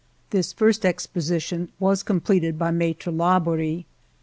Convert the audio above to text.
This first exposition was completed by Maitre Labori.